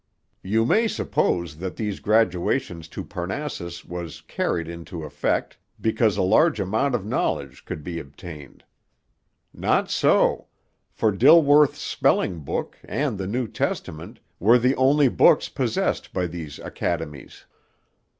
You may suppose that these graduations to Parnassus was carried into effect, because a large amount of knowledge could be obtained. Not so; for Dilworth's Spelling Book, and the New Testament, were the only books possessed by these academies.'